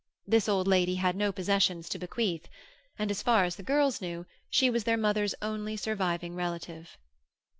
This old lady had no possessions to bequeath. And, as far as the girls knew, she was their mother's only surviving relative.